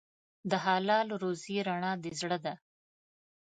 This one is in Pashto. د حلال روزي رڼا د زړه ده.